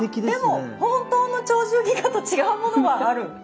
でも本当の「鳥獣戯画」と違うものがある。